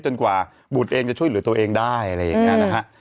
กว่าบุตรเองจะช่วยเหลือตัวเองได้อะไรอย่างนี้นะฮะ